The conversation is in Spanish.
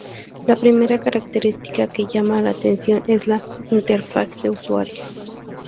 La primera característica que llama la atención es la interfaz de usuario.